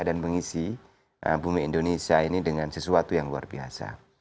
dan mengisi bumi indonesia ini dengan sesuatu yang luar biasa